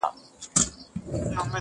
لا یې پخوا دي ورځي سختي نوري!.